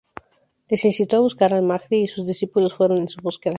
Les incitó a buscar al Mahdi y sus discípulos fueron en su búsqueda.